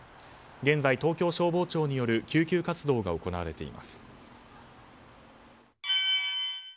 現在、東京消防庁による救急活動が行われています。